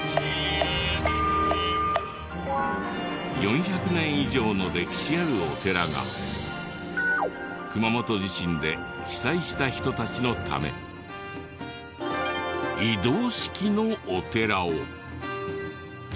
４００年以上の歴史あるお寺が熊本地震で被災した人たちのため移動式のお寺を。